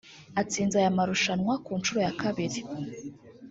atsinze aya marushanwa ku nshuro ya kabiri